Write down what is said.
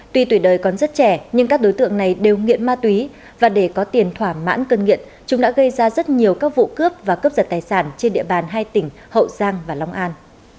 tuy tuổi đời còn rất trẻ nhưng các đối tượng này đều nghiện ma túy và để có tiền thỏa mãn cân nghiện chúng đã gây ra rất nhiều các vụ cướp và cướp giật tài sản trên địa bàn hai tỉnh hậu giang và long an